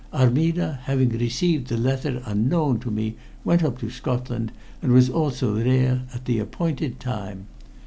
Armida, having received the letter unknown to me, went up to Scotland, and was also there at the appointed time.